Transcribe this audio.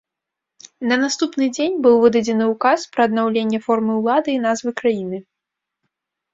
На наступны дзень быў выдадзены ўказ пра аднаўленне формы ўлады і назвы краіны.